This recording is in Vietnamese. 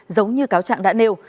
giống như cáo trạng đã nêu